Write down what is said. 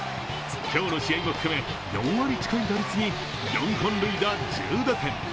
今日の試合も含め、４割近い打率に４本塁打１０打点。